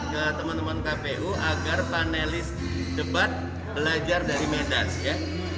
ke teman teman kpu agar panelis debat belajar dari medans ya